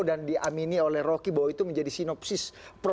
dan di amini oleh rocky bahwa itu menjadi sinopsis